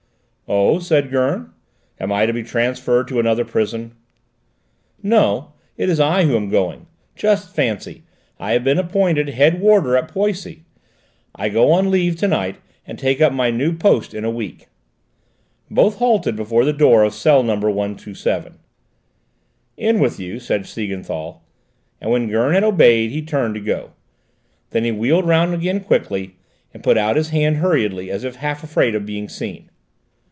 "Oh?" said Gurn. "Am I to be transferred to another prison?" "No, it's I who am going. Just fancy, I have been appointed head warder at Poissy; I go on leave to night, and take up my new post in a week." Both halted before the door of cell number 127. "In with you," said Siegenthal, and when Gurn had obeyed he turned to go. Then he wheeled round again quickly, and put out his hand hurriedly, as if half afraid of being seen.